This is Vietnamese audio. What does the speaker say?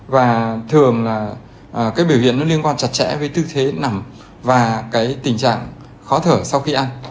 và thường là cái biểu hiện nó liên quan chặt chẽ với tư thế nằm và cái tình trạng khó thở sau khi ăn